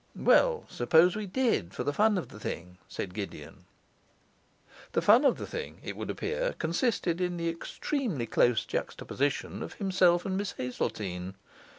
'Well, suppose we did, for the fun of the thing,' said Gideon. The fun of the thing (it would appear) consisted in the extremely close juxtaposition of himself and Miss Hazeltine.